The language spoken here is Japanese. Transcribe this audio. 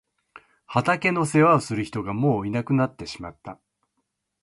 畑の世話をする人がもういなくなってしまった。